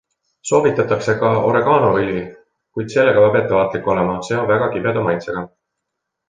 Soovitatakse ka oreganoõli, kuid sellega peab ettevaatlik olema - see on väga kibeda maitsega.